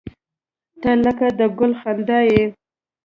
• ته لکه د ګل خندا یې.